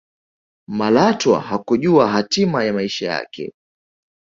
malatwa hakujua hatima ya maisha yake